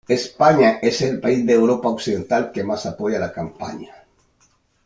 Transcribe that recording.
España es el país de Europa occidental que más apoya la campaña.